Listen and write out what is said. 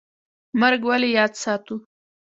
مرګ ولې یاد ساتو؟